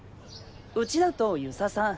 ウチだと遊佐さん